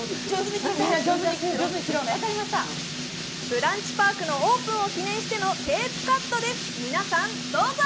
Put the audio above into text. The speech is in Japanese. ブランチパークのオープンを記念してのテープカットです、皆さん、どうぞ！